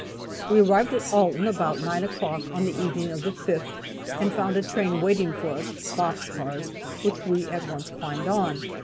We arrived at Alton about 9 o'clock on the evening of the 5th, and found a train waiting us (box cars), which we at once climbed on.